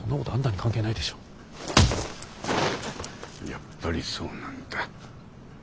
やっぱりそうなんだ。